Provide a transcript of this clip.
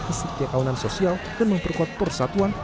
isi kekaunan sosial dan memperkuat persatuan